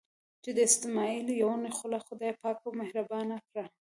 چې د اسمعیل یون خوله خدای پاک مهربانه کړه.